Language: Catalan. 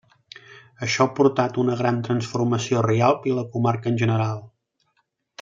Això ha portat una gran transformació a Rialp i a la comarca en general.